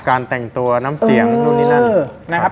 การแต่งตัวน้ำเตียงนู่นนี่นั่น